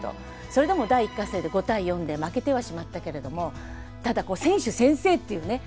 それでも第１回戦で５対４で負けてはしまったけれどもただ選手宣誓っていうね